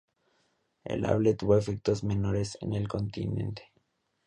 El Able tuvo efectos menores en el continente.